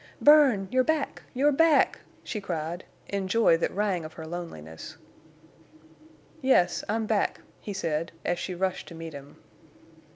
"Bern! You're back! You're back!" she cried, in joy that rang of her loneliness. "Yes, I'm back," he said, as she rushed to meet him.